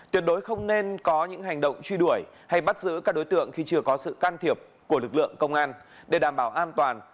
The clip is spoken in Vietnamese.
tuyệt đối không nên có những hành động truy đuổi hay bắt giữ các đối tượng khi chưa có sự can thiệp của lực lượng công an